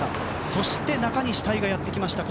そして、中西大翔やってきました。